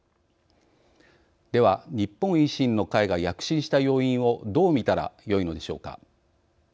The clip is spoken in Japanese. では、日本維新の会が躍進した要因をどう見たらよいのでしょうか。